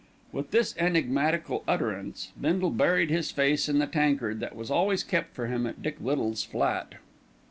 With this enigmatical utterance, Bindle buried his face in the tankard that was always kept for him at Dick Little's flat.